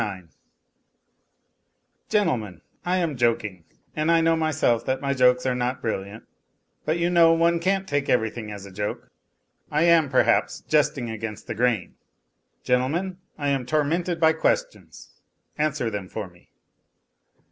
IX Gentlemen, I am joking, and I know myself that my jokes are not brilliant, but you know one can't take everything as a joke. I am, perhaps, jesting against the grain. Gentlemen, I am tormented by questions ; answer them for me.